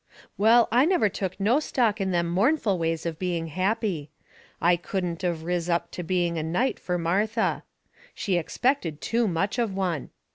Well, I never took no stock in them mournful ways of being happy. I couldn't of riz up to being a night fur Martha. She expected too much of one.